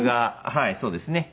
はいそうですね。